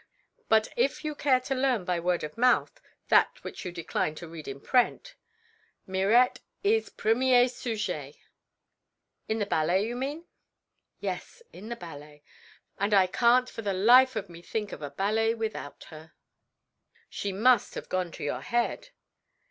But if you care to learn by word of mouth that which you decline to read in print, Mirette is premier sujet." "In the ballet, you mean." "Yes, in the ballet, and I can't for the life of me think of a ballet without her." "She must have gone to your head."